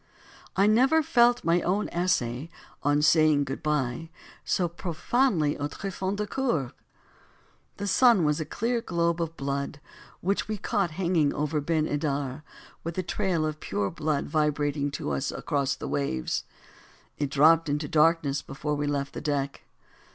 I never felt my own essay "On saying Good Bye" so profoundly aux tréfonds du coeur. The sun was a clear globe of blood which we caught hanging over Ben Edar, with a trail of pure blood vibrating to us across the waves. It dropped into darkness before we left the deck.